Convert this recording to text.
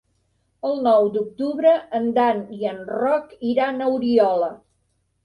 El nou d'octubre en Dan i en Roc iran a Oriola.